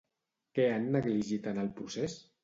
Què han negligit en el procés?